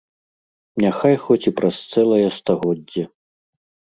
Няхай хоць і праз цэлае стагоддзе.